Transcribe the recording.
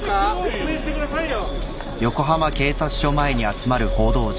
説明してくださいよ。